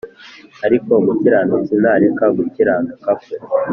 Ariko umukiranutsi nareka gukiranuka kwe